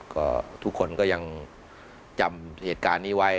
ก็ทุกคนก็ยังจำเหตุการณ์นี้ไว้